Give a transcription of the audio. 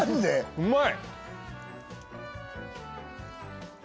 うまい！